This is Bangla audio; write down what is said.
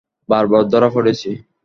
বারবার ধরা পড়েছি।